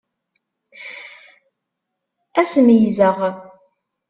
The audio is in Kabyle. Ad s-meyyzeɣ.